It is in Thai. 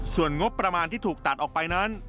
ส่วนงบประมาณที่ถูกตัดออกไปนั้น